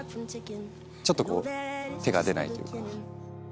ちょっと手が出ないというか。